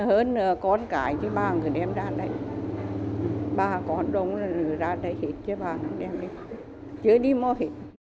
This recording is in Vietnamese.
ba con đông ra đây hết chứ ba không đem đi chứ đi mọi